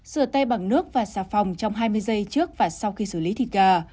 sửa tay bằng nước và xà phòng trong hai mươi giây trước và sau khi xử lý thịt gà